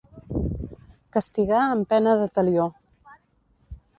Castigar amb pena de talió.